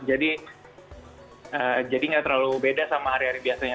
jadi nggak terlalu beda sama hari hari biasanya